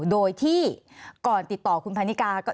โดยที่ก่อนติดต่อคุณพันนิกา